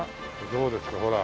どうですかほら。